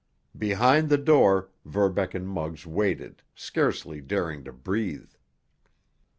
Behind the door, Verbeck and Muggs waited, scarcely daring to breathe.